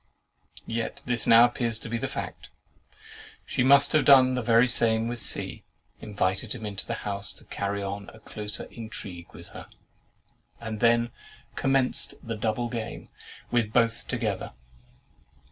Yet this now appears to be the fact. She must have done the very same with C——, invited him into the house to carry on a closer intrigue with her, and then commenced the double game with both together.